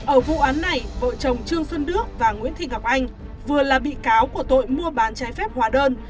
ở vụ án này vợ chồng trương xuân đức và nguyễn thị ngọc anh vừa là bị cáo của tội mua bán trái phép hóa đơn